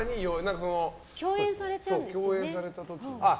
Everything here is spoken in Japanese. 共演された時に。